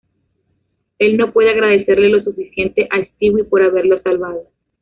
Él no puede agradecerle lo suficiente a Stewie por haberlo salvado.